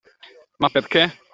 Ma perché?